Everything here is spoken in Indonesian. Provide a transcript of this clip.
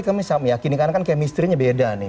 karena kan kemisterinya beda nih